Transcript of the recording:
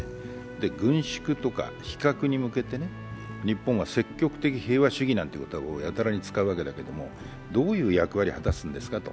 軍縮とか非核に向けてね、日本は積極的平和主義という言葉をやたら使うんだけれどもどういう役割を果たすんですかと。